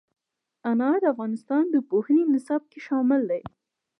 انار د افغانستان د پوهنې نصاب کې شامل دي.